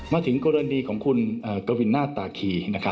มาถึงกรณีของคุณกวินาศตาคี